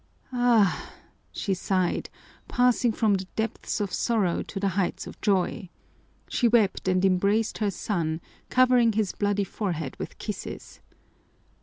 "Ah!" she sighed, passing from the depths of sorrow to the heights of joy. She wept and embraced her son, covering his bloody forehead with kisses.